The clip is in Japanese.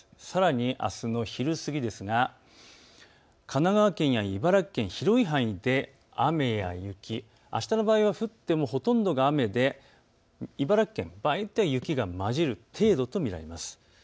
さらにあすの昼過ぎですが神奈川県や茨城県、広い範囲で雨や雪。あしたの場合は降ってもほとんどが雨で茨城県、場合によっては雪が交じる程度と見られます。